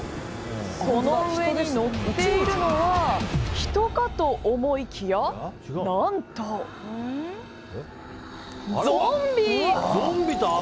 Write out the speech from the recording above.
この上に乗っているのは人かと思いきや何と、ゾンビ！